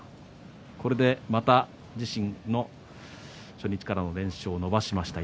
これでまた自身の初日からの連勝を伸ばしました。